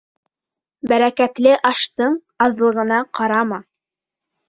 Бәрәкәтле аштың аҙлығына ҡарама.